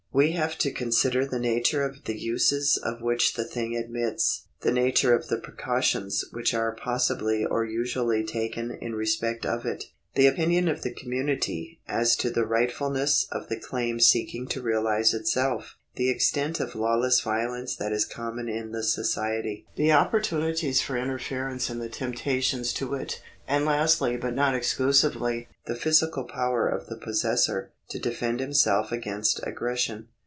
We have to consider the nature of the uses of which the thing admits, the nature of the precautions which are possibly or usually taken in respect of it, the opinion of the community as to the rightfulness of the claim seeking to realise itself, the extent of lawless violence that is common in the society, the oppor tunities for interference and the temptations to it, and lastly but not exclusively the physical power of the possessor to defend himself against aggression.